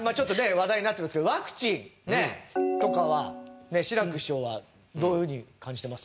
話題になってますけどワクチンとかは志らく師匠はどういうふうに感じています？